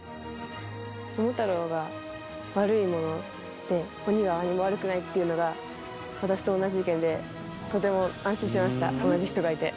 桃太郎が悪い者で鬼は何も悪くないっていうのが私と同じ意見でとても安心しました同じ人がいて。